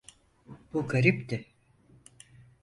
Bu garipti.